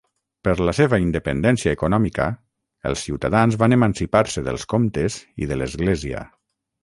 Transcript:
Per la seva independència econòmica els ciutadans van emancipar-se dels comtes i de l'església.